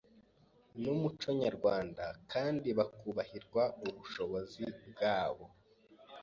n’umuco nyarwanda kandi bakubahirwa ubushishozi bwabo